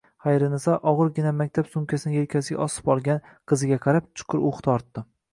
Xayriniso og`irgina maktab sumkasini elkasiga osib olgan qiziga qarab, chuqur uh tortdi